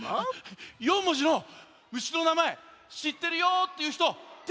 ４文字の虫のなまえしってるよっていうひとてあげて！